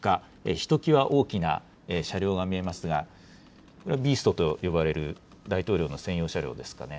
ひときわ大きな車両が見えますが、ビーストと呼ばれる大統領の専用車両ですかね。